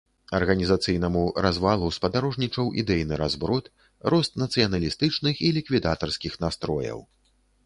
Арганізацыйнаму развалу спадарожнічаў ідэйны разброд, рост нацыяналістычных і ліквідатарскіх настрояў.